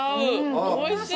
おいしい！